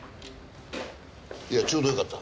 いやちょうどよかった。